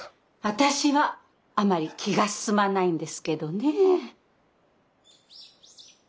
私はあまり気が進まないんですけどね。